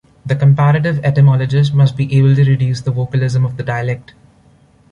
The comparative etymologist must be able to reduce the vocalism of the dialect.